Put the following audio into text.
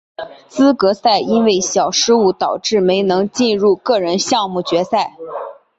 资格赛因为小失误导致没能进入个人项目决赛。